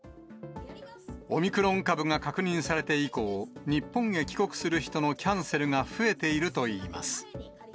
オミクロン株が確認されて以降、日本へ帰国する人のキャンセルが増えているといいます。